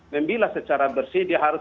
membilah secara bersih dia harus